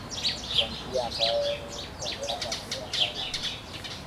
Kwa njia ambayo kwa miaka na miaka ya